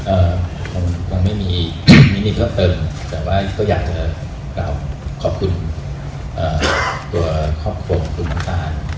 เอ่อผมก็ไม่มีไม่มีเพราะเติมแต่ว่าก็อยากจะขอบคุณเอ่อตัวครอบครัวของคุณตาน